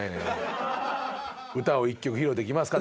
歌を１曲披露できますか？って。